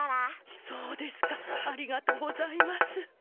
そうですかありがとうございます。